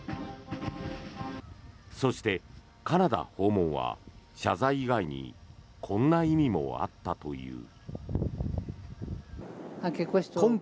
そして、カナダ訪問は謝罪以外にこんな意味もあったという。